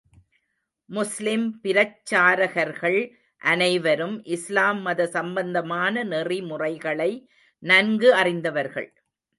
முஸ்லிம் பிரச்சாரகர்கள் அனைவரும் இஸ்லாம் மத சம்பந்தமான நெறிமுறைகளை நன்கு அறிந்தவர்கள்.